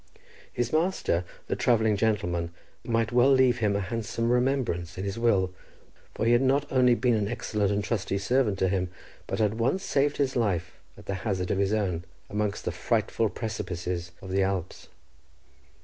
His master, the travelling gentleman, might well leave him a handsome remembrance in his will, for he had not only been an excellent and trusty servant to him, but had once saved his life at the hazard of his own, amongst the frightful precipices of the Alps.